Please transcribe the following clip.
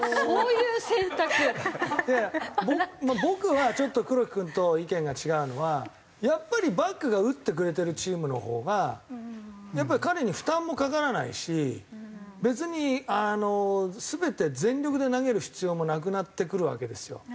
いやいや僕はちょっと黒木君と意見が違うのはやっぱりバックが打ってくれてるチームのほうがやっぱり彼に負担もかからないし別に全て全力で投げる必要もなくなってくるわけですよ